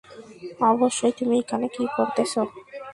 অবশ্যই তুমি এখানে কি করতেছ?